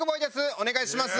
お願いします。